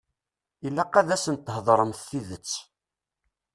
Ilaq ad asen-theḍṛemt tidet.